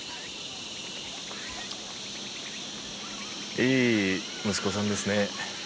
いい息子さんですね。